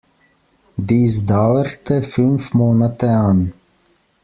Dies dauerte fünf Monate an.